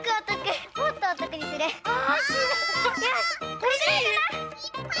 これでいい？